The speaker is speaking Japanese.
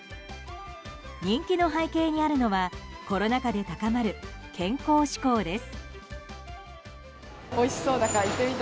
人気の背景にあるのはコロナ禍で高まる健康志向です。